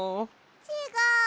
ちがう！